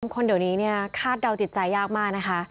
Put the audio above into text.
คนเดี๋ยวนี้เนี่ยคาดเดาจิตใจยากมากนะคะ